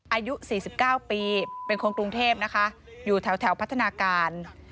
อายุ๔๙ปีเป็นคนกรุงเทพนะคะอยู่แถวพัฒนาการ